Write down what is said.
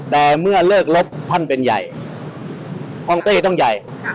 แต่เมื่อเลิกลบท่านเป็นใหญ่ของเต้ต้องใหญ่